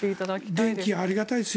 電気、ありがたいですよ。